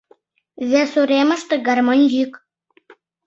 Вес уремыште — гармонь йӱк.